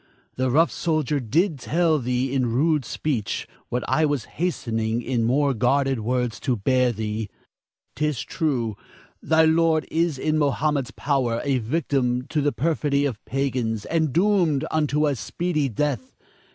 The rough soldier did but tell thee in rude speech, what I was hastening in more guarded words to bear thee. 'Tis true; thy lord is in Mohammed's power, a victim to the perfidy of pagans, and doomed unto a speedy death.